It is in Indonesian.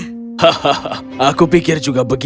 hahaha aku pikir juga begitu